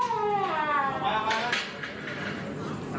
ไอ้แม่ได้เอาแม่ดูนะ